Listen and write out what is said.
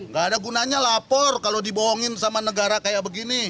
gak ada gunanya lapor kalau dibohongin sama negara kayak begini